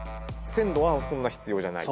鮮度はそんな必要じゃない。